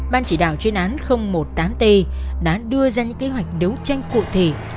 ban chỉ đạo chuyên án một mươi tám t đã đưa ra những kế hoạch đấu tranh cụ thể